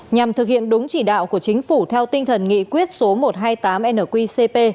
nhằm thực hiện đúng chỉ đạo của chính phủ theo tinh thần nghị quyết số một trăm hai mươi tám nqcp